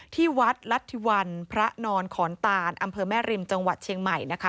ที่วัดรัฐธิวันพระนอนขอนตานอำเภอแม่ริมจังหวัดเชียงใหม่นะคะ